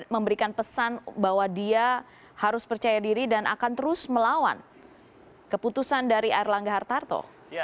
memberikan pesan bahwa dia harus percaya diri dan akan terus melawan keputusan dari erlangga hartarto